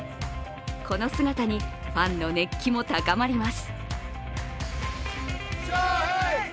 この姿にファンの熱気も高まります。